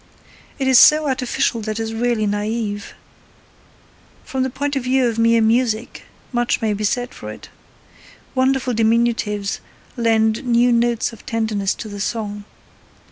It is so artificial that it is really naive. From the point of view of mere music, much may be said for it. Wonderful diminutives lend new notes of tenderness to the song.